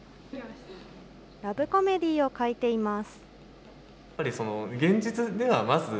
ラブコメディーを描いています。